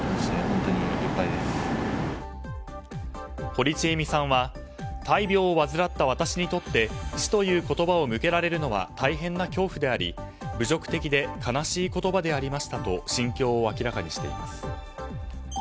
堀ちえみさんは大病を患った私にとって死という言葉を向けられるのは大変な恐怖であり、侮辱的で悲しい言葉でありましたと心境を明らかにしています。